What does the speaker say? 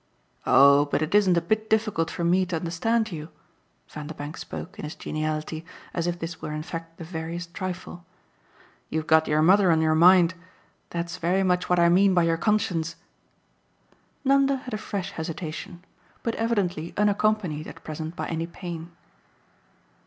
"Oh but it isn't a bit difficult for me to understand you!" Vanderbank spoke, in his geniality, as if this were in fact the veriest trifle. "You've got your mother on your mind. That's very much what I mean by your conscience." Nanda had a fresh hesitation, but evidently unaccompanied at present by any pain.